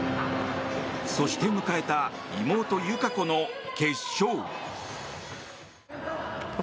そして迎えた妹・友香子の決勝。